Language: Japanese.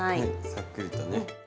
さっくりとね。